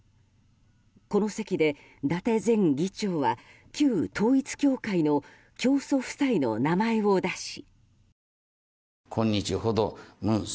この席で、伊達前議長は旧統一教会の教祖夫妻の名前を出し。